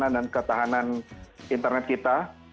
dan ketahanan internet kita